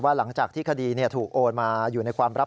หลังจากที่คดีถูกโอนมาอยู่ในความรับ